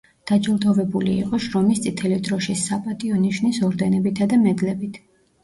დაჯილდოვებული იყო „შრომის წითელი დროშის“, „საპატიო ნიშნის“ ორდენებითა და მედლებით.